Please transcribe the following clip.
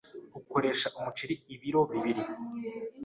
ukoresha Umuceri ibiro bibiri